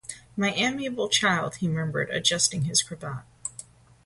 "My amiable child," he murmured, adjusting his cravat.